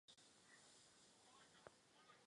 Do finále prošla bez ztraty setu.